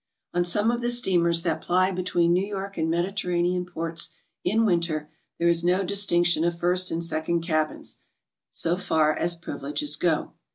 On some of the steamers that ply between New York and Mediterranean ports in winter, there is no distinction oi first and second cabins, so far as privileges go.